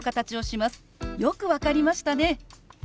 「よく分かりましたね！」。